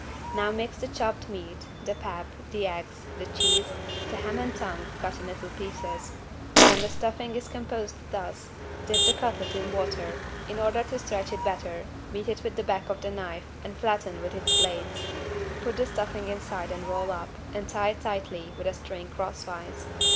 Now mix the chopped meat, the pap, the eggs, the cheese, the ham and tongue cut in little pieces. When the stuffing is composed thus, dip the cutlet in water, in order to stretch it better, beat it with the back of the knife and flatten with its blades. Put the stuffing inside and roll up and tie tightly with a string crosswise.